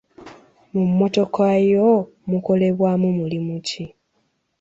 Mu mmotoka yo mukolebwamu mulimu ki?